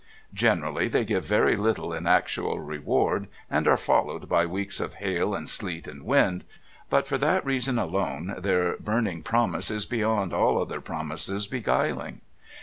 Generally they give very little in actual reward and are followed by weeks of hail and sleet and wind, but for that reason alone their burning promise is beyond all other promises beguiling.